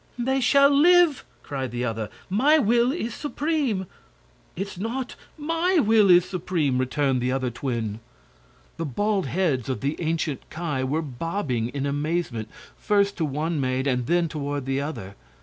"They shall live!" cried the other. "My will is supreme." "It's not! MY will is supreme," returned the other twin. The bald heads of the ancient Ki were bobbing in amazement, first to one maid and then toward the other.